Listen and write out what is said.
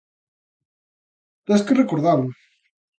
Tes que recordalo.